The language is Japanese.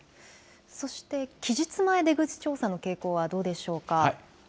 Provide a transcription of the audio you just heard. そして期日前出口調査の傾向はどうでしょうか。